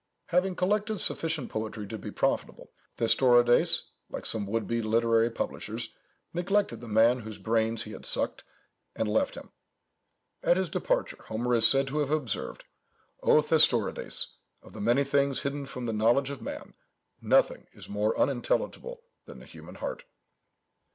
Having collected sufficient poetry to be profitable, Thestorides, like some would be literary publishers, neglected the man whose brains he had sucked, and left him. At his departure, Homer is said to have observed: "O Thestorides, of the many things hidden from the knowledge of man, nothing is more unintelligible than the human heart."